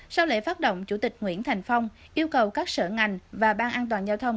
sau lễ phát động chủ tịch nguyễn thành phong yêu cầu các sở ngành và ban an toàn giao thông